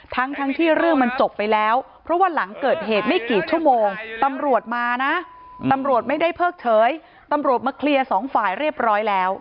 ทั้งทั้งที่เรื่องมันจบไปแล้วเพราะว่าหลังเกิดเหตุไม่กี่ชั่วโมงตำรวจมานะตำรวจไม่ได้เพิกเฉยตำรวจมาเคลียร์สองฝ่ายเรียบร้อยแล้ว